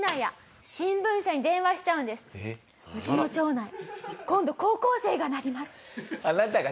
「うちの町内今度高校生がなります」。